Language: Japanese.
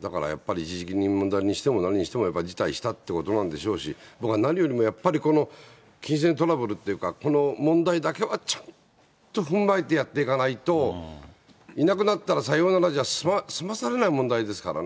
だからやっぱり、一時金の問題にしても何にしても辞退したっていうことなんでしょうし、僕は何よりもやっぱり、この金銭トラブルっていうかこの問題だけはちゃんと踏まえてやっていかないと、いなくなったらさようならじゃ済まされない問題ですからね。